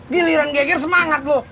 giliran geger semangat lo